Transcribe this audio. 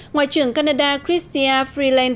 ngoại trưởng canada christia freeland